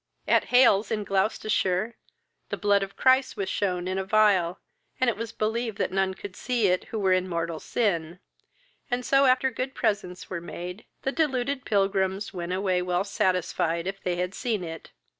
"At Hales, in Gloucestershire, the blood of Christ was shewn in a phial, and it was believed that none could see it who were in mortal sin; and so, after good presents were made, the deluded pilgrims went away well satisfied if they had seen it.